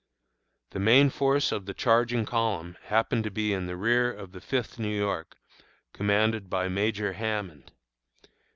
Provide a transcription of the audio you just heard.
The main force of the charging column happened to be in the rear of the Fifth New York, commanded by Major Hammond.